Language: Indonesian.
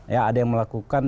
ya ada yang melakukan